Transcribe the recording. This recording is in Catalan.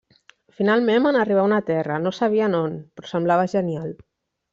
Finalment van arribar a una terra; no sabien on, però semblava genial.